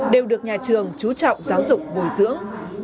đều được nhà trường chú trọng giáo dục bồi dưỡng